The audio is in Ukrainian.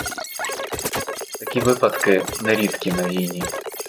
Такі випадки не рідкі на війні.